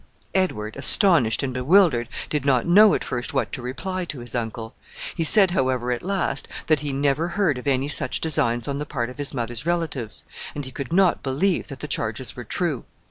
Edward, astonished and bewildered, did not know at first what to reply to his uncle. He said, however, at last, that he never heard of any such designs on the part of his mother's relatives, and he could not believe that the charges were true.